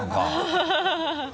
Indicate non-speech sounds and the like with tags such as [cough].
ハハハ [laughs]